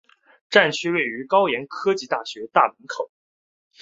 站区位于高苑科技大学大门口处。